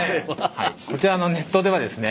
こちらネットではですね